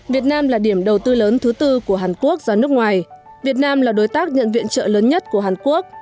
việt nam là điểm đầu tư lớn thứ tư của hàn quốc ra nước ngoài việt nam là đối tác nhận viện trợ lớn nhất của hàn quốc